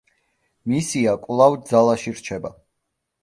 მისია კვლავ ძალაში რჩება.